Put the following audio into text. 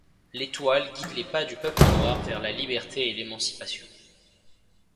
L'étoile guide les pas du peuple noir vers la liberté et l'émancipation.